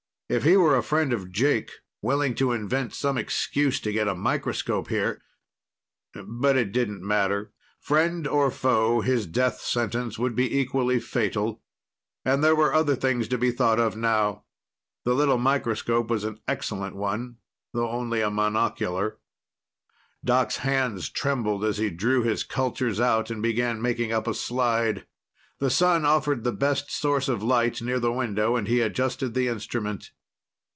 If he were a friend of Jake, willing to invent some excuse to get a microscope here ... but it didn't matter. Friend or foe, his death sentence would be equally fatal. And there were other things to be thought of now. The little microscope was an excellent one, though only a monocular. Doc's hands trembled as he drew his cultures out and began making up a slide. The sun offered the best source of light near the window, and he adjusted the instrument.